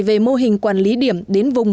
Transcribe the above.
về mô hình quản lý điểm đến vùng